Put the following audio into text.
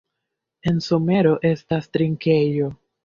En somero estas trinkejo.